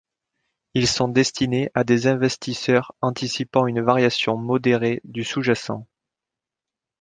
Ils sont destinés à des investisseurs anticipant une variation modérée du sous-jacent.